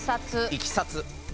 いきさつ。